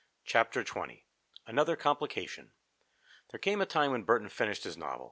CHAPTER XX ANOTHER COMPLICATION There came a time when Burton finished his novel.